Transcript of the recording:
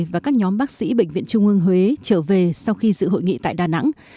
và các nhóm bác sĩ bệnh viện trung ương huế trở về sau khi dự hội nghị tại đà nẵng